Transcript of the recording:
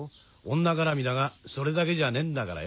女がらみだがそれだけじゃねえんだからよ。